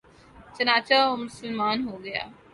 چنانچہ وہ مسلمان ہو گیا